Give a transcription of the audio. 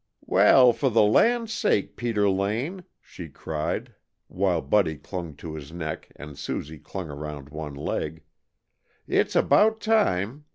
"Well, for the land's sake, Peter Lane," she cried, while Buddy clung to his neck and Susie clung around one leg, "it's about time!